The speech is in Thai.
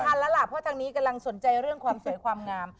ทันแล้วล่ะเพราะทางนี้กำลังสนใจเรื่องความสวยความงาม